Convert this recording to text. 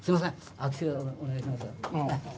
握手お願いします。